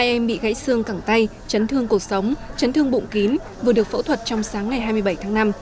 ba em bị gãy xương cẳng tay chấn thương cuộc sống chấn thương bụng kín vừa được phẫu thuật trong sáng ngày hai mươi bảy tháng năm